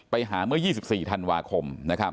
ไปหาเมื่อ๒๔ธันวาคม